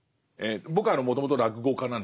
僕はもともと落語家なんですね。